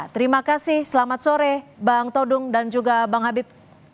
terima kasih selamat sore bang todung dan juga bang habib